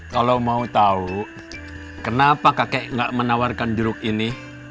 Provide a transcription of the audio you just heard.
kalau mau tau kenapa kakek nggak menawarkan jeruk ini